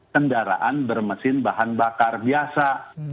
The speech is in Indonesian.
kendaraan bermesin bahan bakar biasa